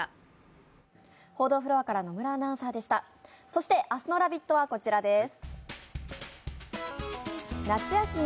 そして明日の「ラヴィット！」はこちらです。